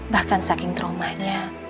bahkan saking traumanya